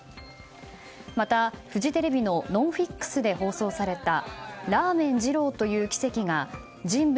また、フジテレビの「ＮＯＮＦＩＸ」で放送された「ラーメン二郎という奇跡」が人物